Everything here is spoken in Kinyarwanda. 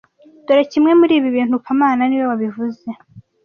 Dore Kimwe muri ibi bintu kamana niwe wabivuze